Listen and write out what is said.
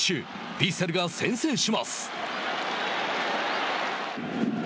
ヴィッセルが先制します。